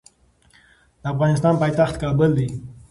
د افغانستان پایتخت کابل دي